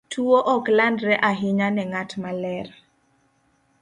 Tuwo ok landre ahinya ne ng'at maler.